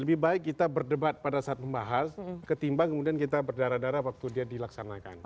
lebih baik kita berdebat pada saat membahas ketimbang kemudian kita berdarah darah waktu dia dilaksanakan